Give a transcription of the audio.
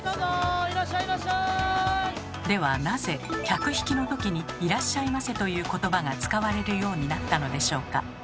ではなぜ客引きのときに「いらっしゃいませ」という言葉が使われるようになったのでしょうか？